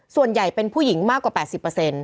ส่วนใหญ่เป็นผู้หญิงมากกว่า๘๐